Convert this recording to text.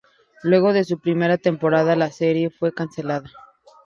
Luego de su primera temporada, la serie fue cancelada.